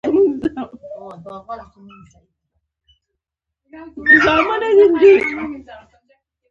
ژورې سرچینې د افغانستان د طبیعت د ښکلا یوه ډېره مهمه برخه ده.